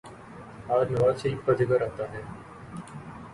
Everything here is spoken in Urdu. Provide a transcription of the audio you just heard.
آج نواز شریف کا ذکر آتا ہے۔